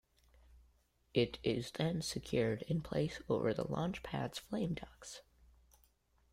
It is then secured in place over the launch pad's flame ducts.